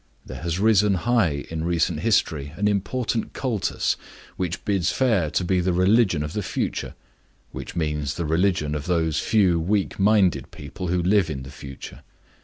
There has risen high in recent history an important cultus which bids fair to be the religion of the future which means the religion of those few weak minded people who live in the future.